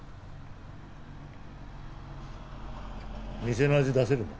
店の味出せるんだな。